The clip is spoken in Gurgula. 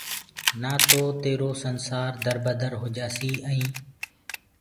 نآ تو تيرو يو سنسآر دربدر هوجآسيٚ ائينٚ